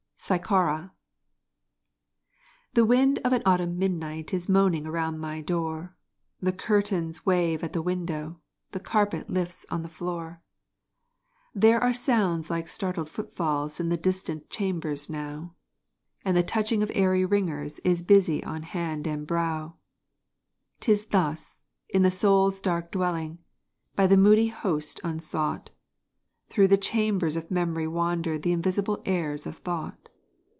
PSYCHAURA The wind of an autumn midnight Is moaning around my door The curtains wave at the window, The carpet lifts on the floor. There are sounds like startled footfalls In the distant chambers now, And the touching of airy ringers Is busy on hand and brow. 'Tis thus, in the Soul's dark dwelling By the moody host unsought Through the chambers of memory wander The invisible airs of thought.